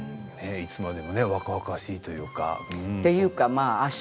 いつまでも若々しいというか。